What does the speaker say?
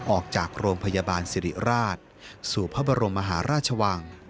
ออกจากโรงพยาบาลสิริราชสู่พระบรมมหาราชวัง